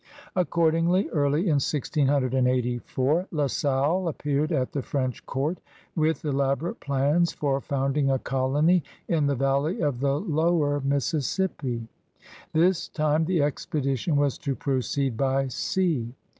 Accordingly, early in 1684 La Salle appeared at the French court with elaborate plans for founding a colony in the valley of the lower Mississippi. This time the expedition was to proceed by sea.